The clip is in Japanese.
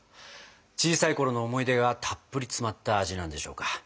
小さいころの思い出がたっぷり詰まった味なんでしょうか。